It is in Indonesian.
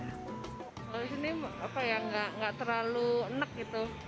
kalau di sini apa ya gak terlalu enek gitu